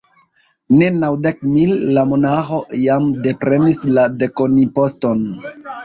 Ne, naŭdek mil: la monaĥo jam deprenis la dekonimposton.